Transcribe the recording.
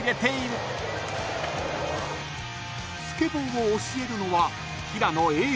［スケボーを教えるのは］